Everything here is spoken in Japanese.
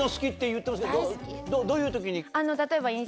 どういう時に？